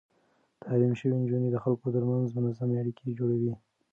تعليم شوې نجونې د خلکو ترمنځ منظم اړيکې جوړوي.